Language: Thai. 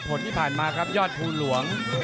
ผลที่ผ่านมาครับยอดภูหลวง